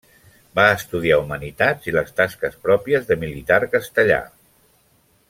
Va estudiar humanitats i les tasques pròpies de militar castellà.